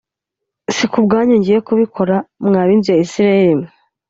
si ku bwanyu ngiye kubikora mwa b inzu ya Isirayeli mwe